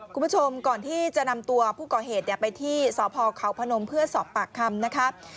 คุณผู้ชมก่อนที่จะนำตัวผู้ก่อเหตุไปที่สพเขาพนมเพื่อสอบปากคำนะครับ